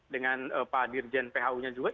dengan pak dirjen phu nya juga